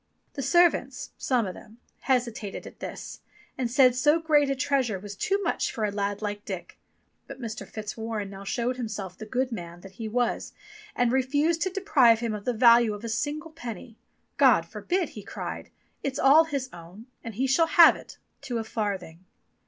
The servants, some of them, hesitated at this, and said so great a treasure was too much for a lad like Dick ; but Mr. Fitzwarren now showed himself the good man that he was and refused to deprive him of the value of a single penny. "God forbid!" he cried. "It's all his own, and he shall have it, to a farthing."